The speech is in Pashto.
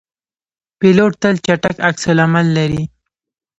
پیلوټ تل چټک عکس العمل لري.